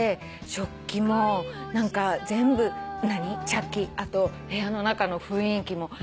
食器も全部茶器あと部屋の中の雰囲気も。